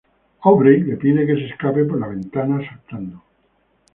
Aubrey le pide que se escape por la ventana saltando.